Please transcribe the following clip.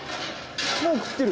もう食ってる。